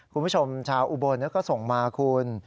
คุณผู้ชมชาวอุบลก็ส่งมาคุณ